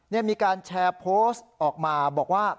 มีการแชร์โพสต์ออกมาบอกว่า